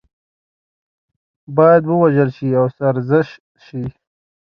باید ووژل شي او سرزنش شي.